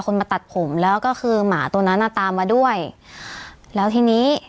มาตัดผมแล้วก็คือหมาตัวนั้นอ่ะตามมาด้วยแล้วทีนี้